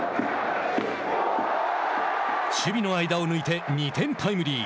守備の間を抜いて２点タイムリー。